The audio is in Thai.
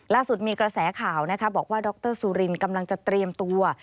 ล่าสุดมีกระแสข่าวนะคะบอกว่าดรสุรินกำลังจะเตรียมตัว